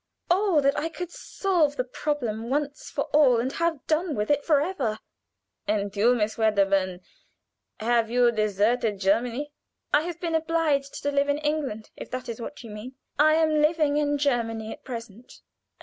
Oh, that I could solve the problem once for all, and have done with it forever! "And you, Miss Wedderburn have you deserted Germany?" "I have been obliged to live in England, if that is what you mean I am living in Germany at present."